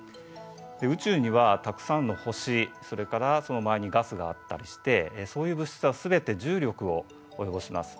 宇宙にはたくさんの星それからその周りにガスがあったりしてそういう物質はすべて重力を及ぼします。